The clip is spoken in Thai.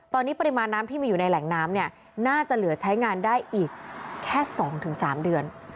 ตอนนี้ปริมาณน้ำที่มีอยู่ในแหล่งน้ำเนี่ยน่าจะเหลือใช้งานได้อีกแค่๒๓เดือน